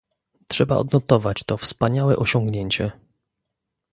Trzeba odnotować to wspaniałe osiągnięcie